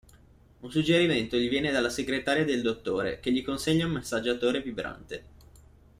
Un suggerimento gli viene dalla segretaria del dottore, che gli consiglia un massaggiatore vibrante.